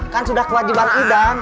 kan sudah kewajiban idan